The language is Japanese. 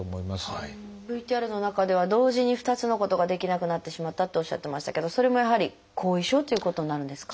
ＶＴＲの中では同時に２つのことができなくなってしまったっておっしゃってましたけどそれもやはり後遺症ということになるんですか？